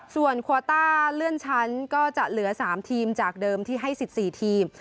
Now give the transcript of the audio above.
ส่วนโควต้าเลื่อนชั้นก็จะเหลือ๓ทีมจากเดิมที่ให้๑๔ทีม